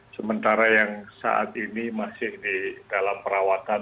sementara yang saat ini masih di dalam perawatan